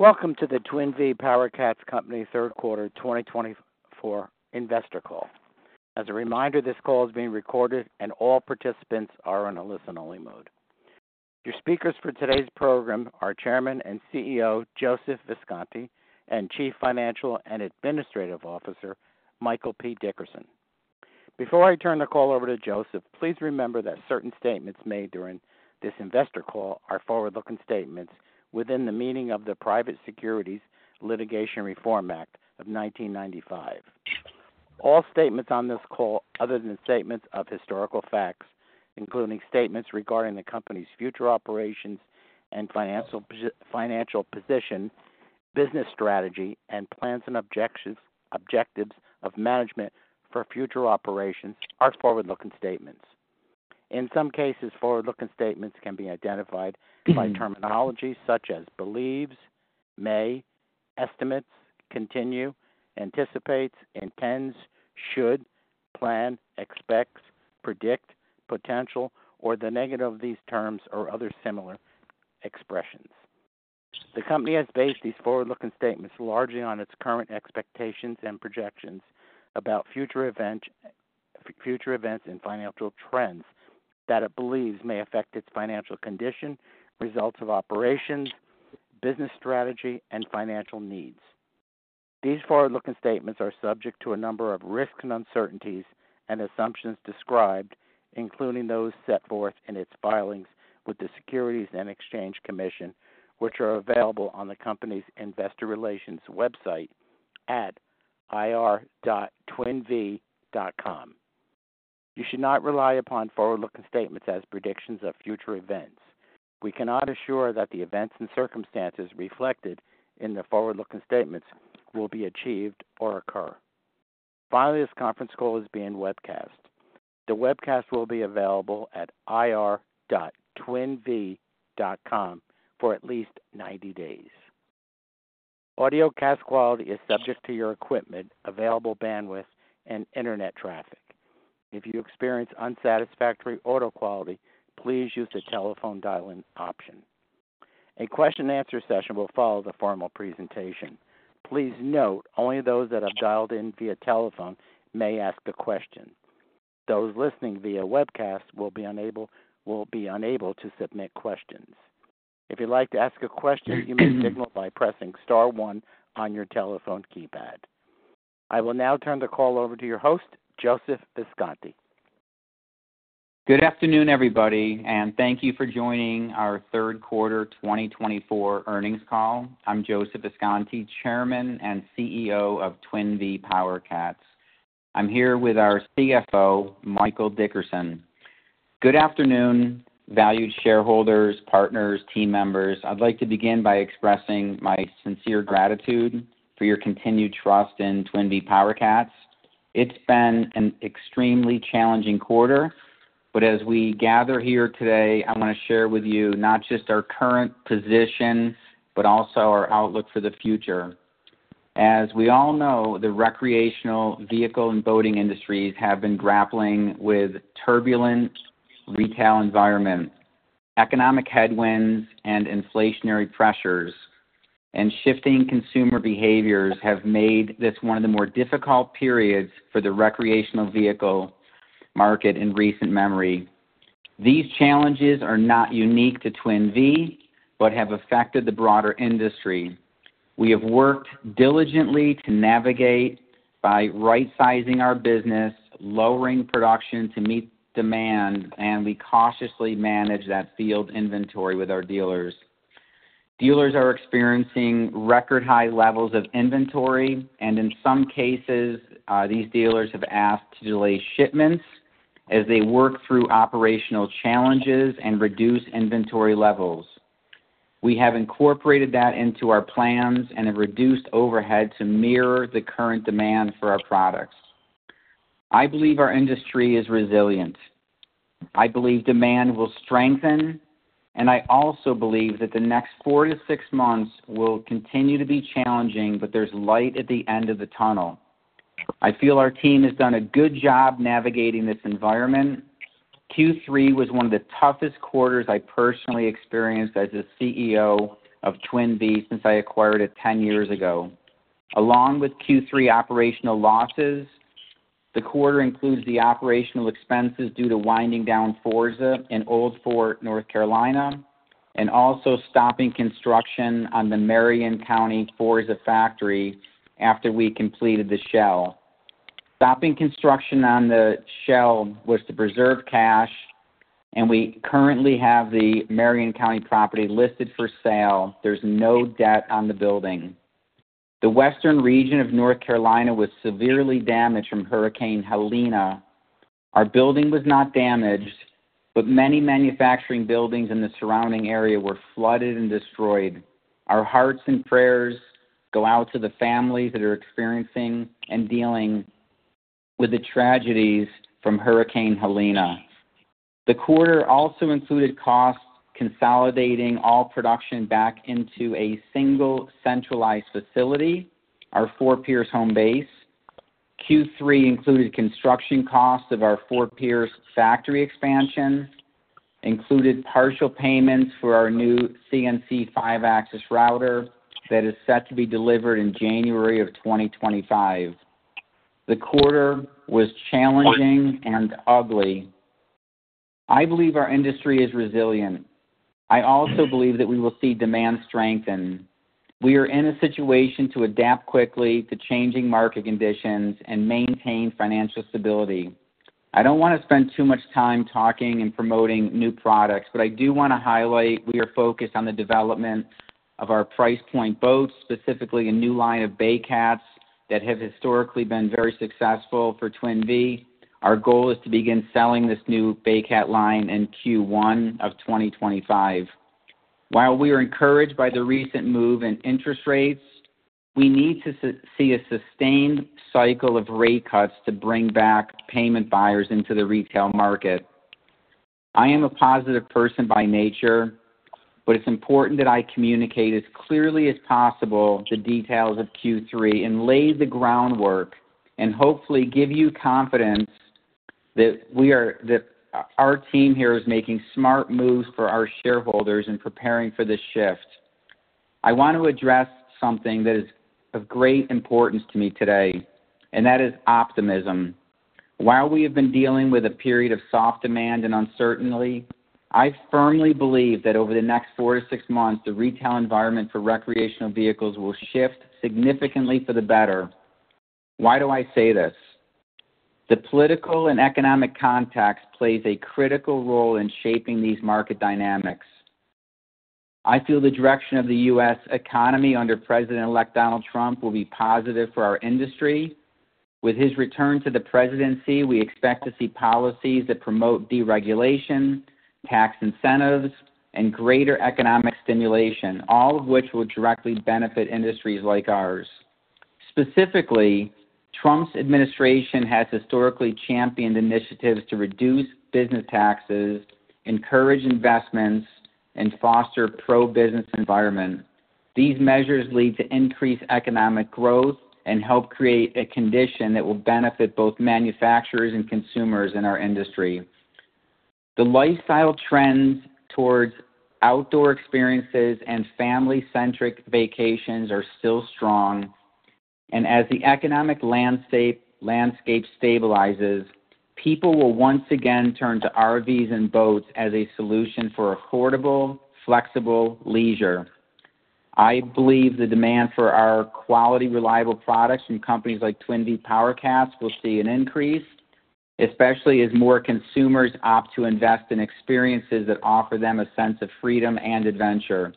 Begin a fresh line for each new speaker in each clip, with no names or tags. Welcome to the Twin Vee PowerCats Company Third Quarter 2024 Investor Call. As a reminder, this call is being recorded, and all participants are in a listen-only mode. Your speakers for today's program are Chairman and CEO Joseph Visconti and Chief Financial and Administrative Officer Michael P. Dickerson. Before I turn the call over to Joseph, please remember that certain statements made during this investor call are forward-looking statements within the meaning of the Private Securities Litigation Reform Act of 1995. All statements on this call, other than statements of historical facts, including statements regarding the company's future operations and financial position, business strategy, and plans and objectives of management for future operations, are forward-looking statements. In some cases, forward-looking statements can be identified by terminology such as believes, may, estimates, continue, anticipates, intends, should, plan, expects, predict, potential, or the negative of these terms or other similar expressions. The company has based these forward-looking statements largely on its current expectations and projections about future events and financial trends that it believes may affect its financial condition, results of operations, business strategy, and financial needs. These forward-looking statements are subject to a number of risks and uncertainties and assumptions described, including those set forth in its filings with the Securities and Exchange Commission, which are available on the company's investor relations website at ir.twinvee.com. You should not rely upon forward-looking statements as predictions of future events. We cannot assure that the events and circumstances reflected in the forward-looking statements will be achieved or occur. Finally, this conference call is being webcast. The webcast will be available at ir.twinvee.com for at least 90 days. Audiocast quality is subject to your equipment, available bandwidth, and internet traffic. If you experience unsatisfactory audio quality, please use the telephone dial-in option. A question-and-answer session will follow the formal presentation. Please note only those that have dialed in via telephone may ask a question. Those listening via webcast will be unable to submit questions. If you'd like to ask a question, you may signal by pressing star one on your telephone keypad. I will now turn the call over to your host, Joseph Visconti.
Good afternoon, everybody, and thank you for joining our Third Quarter 2024 earnings call. I'm Joseph Visconti, Chairman and CEO of Twin Vee PowerCats. I'm here with our CFO, Michael Dickerson. Good afternoon, valued shareholders, partners, team members. I'd like to begin by expressing my sincere gratitude for your continued trust in Twin Vee PowerCats. It's been an extremely challenging quarter, but as we gather here today, I want to share with you not just our current position, but also our outlook for the future. As we all know, the recreational vehicle and boating industries have been grappling with turbulent retail environments, economic headwinds, and inflationary pressures, and shifting consumer behaviors have made this one of the more difficult periods for the recreational vehicle market in recent memory. These challenges are not unique to Twin Vee, but have affected the broader industry. We have worked diligently to navigate by right-sizing our business, lowering production to meet demand, and we cautiously manage that field inventory with our dealers. Dealers are experiencing record-high levels of inventory, and in some cases, these dealers have asked to delay shipments as they work through operational challenges and reduce inventory levels. We have incorporated that into our plans and have reduced overhead to mirror the current demand for our products. I believe our industry is resilient. I believe demand will strengthen, and I also believe that the next four to six months will continue to be challenging, but there's light at the end of the tunnel. I feel our team has done a good job navigating this environment. Q3 was one of the toughest quarters I personally experienced as the CEO of Twin Vee since I acquired it 10 years ago. Along with Q3 operational losses, the quarter includes the operational expenses due to winding down Forza in Old Fort, North Carolina, and also stopping construction on the Marion, North Carolina Forza factory after we completed the shell. Stopping construction on the shell was to preserve cash, and we currently have the Marion, North Carolina property listed for sale. There's no debt on the building. The western region of North Carolina was severely damaged from Hurricane Helene. Our building was not damaged, but many manufacturing buildings in the surrounding area were flooded and destroyed. Our hearts and prayers go out to the families that are experiencing and dealing with the tragedies from Hurricane Helene. The quarter also included costs consolidating all production back into a single centralized facility, our Fort Pierce home base. Q3 included construction costs of our Fort Pierce factory expansion, included partial payments for our new CNC 5-axis router that is set to be delivered in January of 2025. The quarter was challenging and ugly. I believe our industry is resilient. I also believe that we will see demand strengthen. We are in a situation to adapt quickly to changing market conditions and maintain financial stability. I don't want to spend too much time talking and promoting new products, but I do want to highlight we are focused on the development of our price point boats, specifically a new line of Bay Cats that have historically been very successful for Twin Vee. Our goal is to begin selling this new Bay Cat line in Q1 of 2025. While we are encouraged by the recent move in interest rates, we need to see a sustained cycle of rate cuts to bring back payment buyers into the retail market. I am a positive person by nature, but it's important that I communicate as clearly as possible the details of Q3 and lay the groundwork and hopefully give you confidence that our team here is making smart moves for our shareholders and preparing for this shift. I want to address something that is of great importance to me today, and that is optimism. While we have been dealing with a period of soft demand and uncertainty, I firmly believe that over the next four to six months, the retail environment for recreational vehicles will shift significantly for the better. Why do I say this? The political and economic context plays a critical role in shaping these market dynamics. I feel the direction of the U.S. economy under President-elect Donald Trump will be positive for our industry. With his return to the presidency, we expect to see policies that promote deregulation, tax incentives, and greater economic stimulation, all of which will directly benefit industries like ours. Specifically, Trump's administration has historically championed initiatives to reduce business taxes, encourage investments, and foster a pro-business environment. These measures lead to increased economic growth and help create a condition that will benefit both manufacturers and consumers in our industry. The lifestyle trends towards outdoor experiences and family-centric vacations are still strong, and as the economic landscape stabilizes, people will once again turn to RVs and boats as a solution for affordable, flexible leisure. I believe the demand for our quality, reliable products from companies like Twin Vee PowerCats will see an increase, especially as more consumers opt to invest in experiences that offer them a sense of freedom and adventure.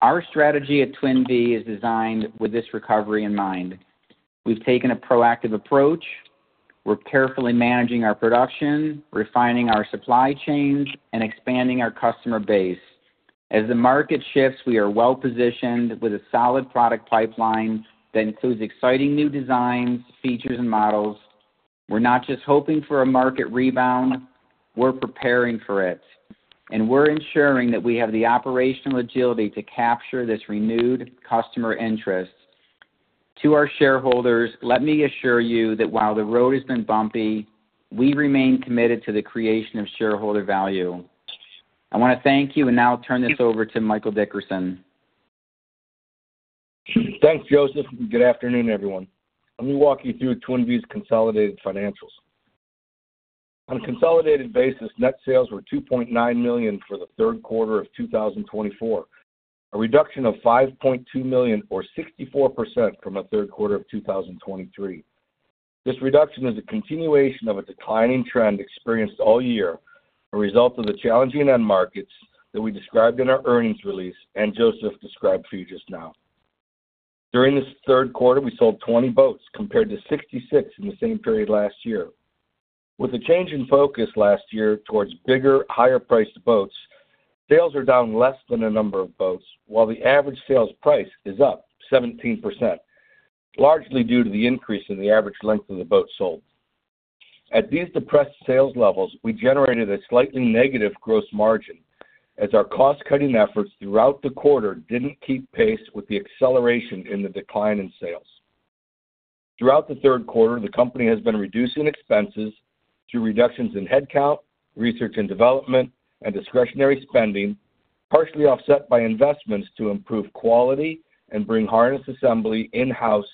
Our strategy at Twin Vee is designed with this recovery in mind. We've taken a proactive approach. We're carefully managing our production, refining our supply chains, and expanding our customer base. As the market shifts, we are well-positioned with a solid product pipeline that includes exciting new designs, features, and models. We're not just hoping for a market rebound. We're preparing for it, and we're ensuring that we have the operational agility to capture this renewed customer interest. To our shareholders, let me assure you that while the road has been bumpy, we remain committed to the creation of shareholder value. I want to thank you, and now I'll turn this over to Michael Dickerson.
Thanks, Joseph. Good afternoon, everyone. Let me walk you through Twin Vee's consolidated financials. On a consolidated basis, net sales were $2.9 million for the third quarter of 2024, a reduction of $5.2 million, or 64%, from the third quarter of 2023. This reduction is a continuation of a declining trend experienced all year, a result of the challenging end markets that we described in our earnings release, and Joseph described for you just now. During this third quarter, we sold 20 boats, compared to 66 in the same period last year. With a change in focus last year towards bigger, higher-priced boats, sales are down less than a number of boats, while the average sales price is up 17%, largely due to the increase in the average length of the boat sold. At these depressed sales levels, we generated a slightly negative gross margin as our cost-cutting efforts throughout the quarter didn't keep pace with the acceleration in the decline in sales. Throughout the third quarter, the company has been reducing expenses through reductions in headcount, research and development, and discretionary spending, partially offset by investments to improve quality and bring harness assembly in-house.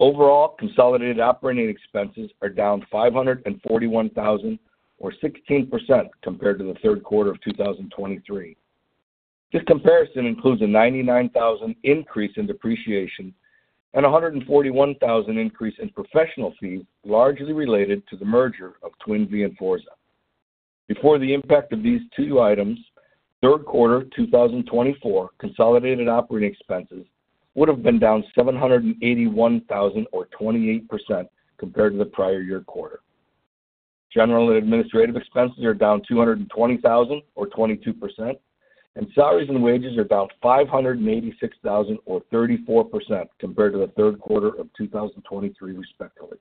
Overall, consolidated operating expenses are down 541,000, or 16%, compared to the third quarter of 2023. This comparison includes a 99,000 increase in depreciation and a 141,000 increase in professional fees, largely related to the merger of Twin Vee and Forza. Before the impact of these two items, third quarter 2024 consolidated operating expenses would have been down 781,000, or 28%, compared to the prior year quarter. General and administrative expenses are down $220,000, or 22%, and salaries and wages are down $586,000, or 34%, compared to the third quarter of 2023, respectively.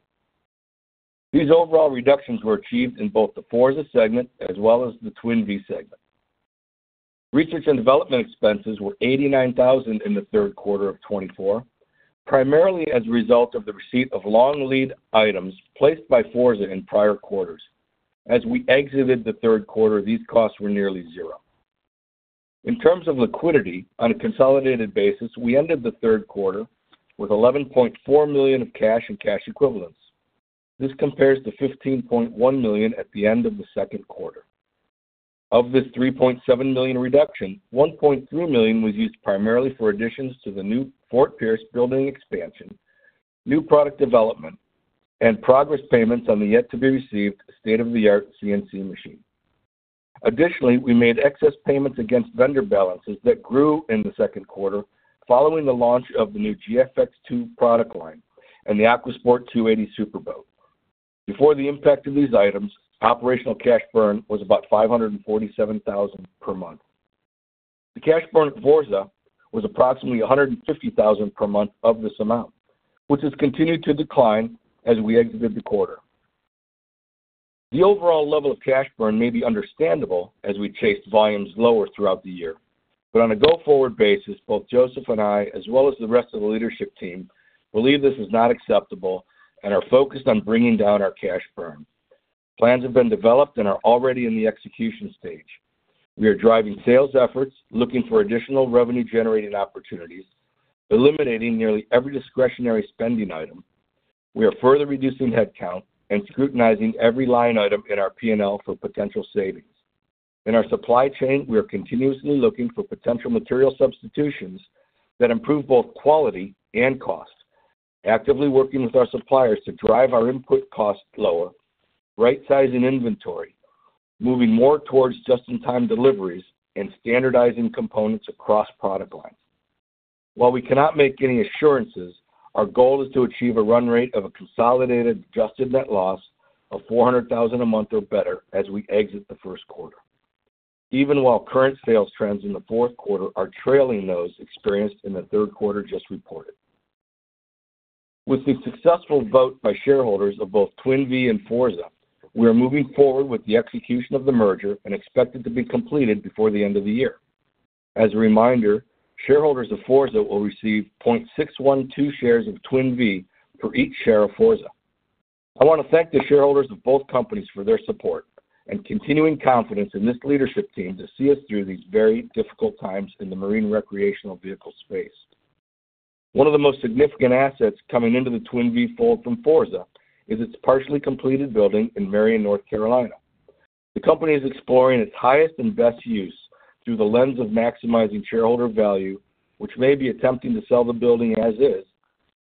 These overall reductions were achieved in both the Forza segment as well as the Twin Vee segment. Research and development expenses were $89,000 in the third quarter of 2024, primarily as a result of the receipt of long lead items placed by Forza in prior quarters. As we exited the third quarter, these costs were nearly zero. In terms of liquidity, on a consolidated basis, we ended the third quarter with $11.4 million of cash and cash equivalents. This compares to $15.1 million at the end of the second quarter. Of this $3.7 million reduction, $1.3 million was used primarily for additions to the new Fort Pierce building expansion, new product development, and progress payments on the yet-to-be-received state-of-the-art CNC machine. Additionally, we made excess payments against vendor balances that grew in the second quarter following the launch of the new GFX-2 product line and the AquaSport 280 Superboat. Before the impact of these items, operational cash burn was about $547,000 per month. The cash burn at Forza was approximately $150,000 per month of this amount, which has continued to decline as we exited the quarter. The overall level of cash burn may be understandable as we chased volumes lower throughout the year, but on a go-forward basis, both Joseph and I, as well as the rest of the leadership team, believe this is not acceptable and are focused on bringing down our cash burn. Plans have been developed and are already in the execution stage. We are driving sales efforts, looking for additional revenue-generating opportunities, eliminating nearly every discretionary spending item. We are further reducing headcount and scrutinizing every line item in our P&L for potential savings. In our supply chain, we are continuously looking for potential material substitutions that improve both quality and cost, actively working with our suppliers to drive our input costs lower, right-sizing inventory, moving more towards just-in-time deliveries, and standardizing components across product lines. While we cannot make any assurances, our goal is to achieve a run rate of a consolidated adjusted net loss of $400,000 a month or better as we exit the first quarter, even while current sales trends in the fourth quarter are trailing those experienced in the third quarter just reported. With the successful vote by shareholders of both Twin Vee and Forza, we are moving forward with the execution of the merger and expect it to be completed before the end of the year. As a reminder, shareholders of Forza will receive 0.612 shares of Twin Vee for each share of Forza. I want to thank the shareholders of both companies for their support and continuing confidence in this leadership team to see us through these very difficult times in the marine recreational vehicle space. One of the most significant assets coming into the Twin Vee fold from Forza is its partially completed building in Marion, North Carolina. The company is exploring its highest and best use through the lens of maximizing shareholder value, which may be attempting to sell the building as is,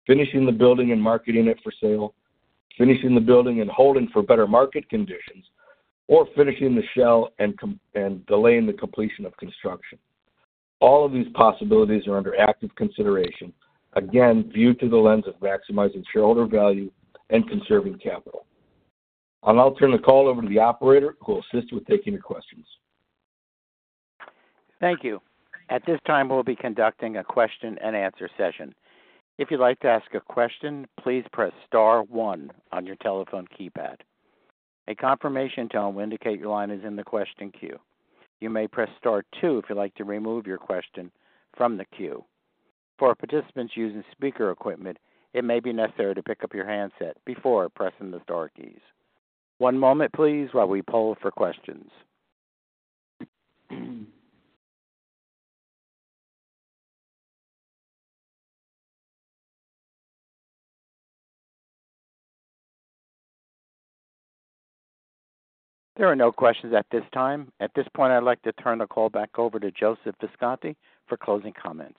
finishing the building and marketing it for sale, finishing the building and holding for better market conditions, or finishing the shell and delaying the completion of construction. All of these possibilities are under active consideration, again, viewed through the lens of maximizing shareholder value and conserving capital. I'll now turn the call over to the operator, who will assist with taking your questions.
Thank you. At this time, we'll be conducting a question-and-answer session. If you'd like to ask a question, please press star one on your telephone keypad. A confirmation tone will indicate your line is in the question queue. You may press star two if you'd like to remove your question from the queue. For participants using speaker equipment, it may be necessary to pick up your handset before pressing the star keys. One moment, please, while we poll for questions. There are no questions at this time. At this point, I'd like to turn the call back over to Joseph Visconti for closing comments.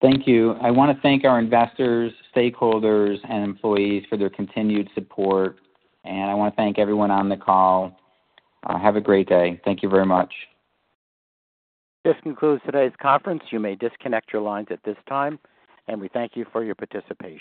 Thank you. I want to thank our investors, stakeholders, and employees for their continued support, and I want to thank everyone on the call. Have a great day. Thank you very much.
This concludes today's conference. You may disconnect your lines at this time, and we thank you for your participation.